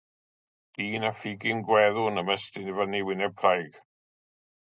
Dyn â phigyn gweddw'n ymestyn i fyny wyneb craig.